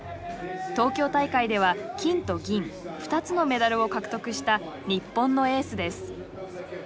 東京大会では金と銀２つのメダルを獲得した日本のエースです。